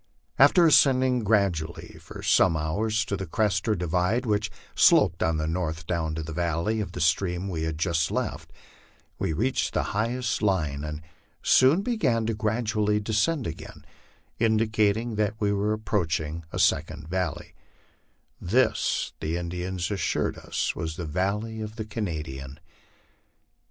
After ascending gradually for some hours to the crest or divide which sloped on the north down to the valley of the stream we had just left, we reached the highest line and soon began to gradually descend again, indicating that we were approaching a second valley ; this the Indians assured us was the valley of the Canadian.